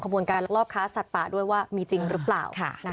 บนการลักลอบค้าสัตว์ป่าด้วยว่ามีจริงหรือเปล่า